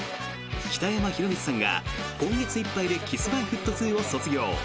北山宏光さんが今月いっぱいでＫｉｓ−Ｍｙ−Ｆｔ２を卒業。